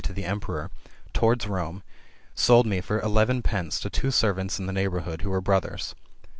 to the emperor], towards Rome, sold me for eleven pence to two servants in the neighbourhood, who were brothers.